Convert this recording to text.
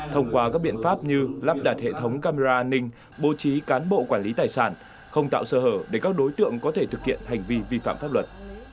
thông qua các biện pháp như lắp đặt hệ thống camera an ninh bố trí cán bộ quản lý tài sản không tạo sơ hở để các đối tượng có thể thực hiện hành vi vi phạm pháp luật